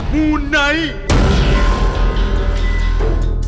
มูไนท์